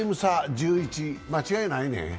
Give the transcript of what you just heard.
１１、間違いないね。